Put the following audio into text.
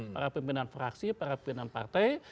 para pimpinan fraksi para pimpinan partai